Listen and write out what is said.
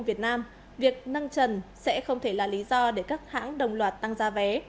việc nâng trần sẽ không thể là lý do để các hãng đồng loạt tăng giá vé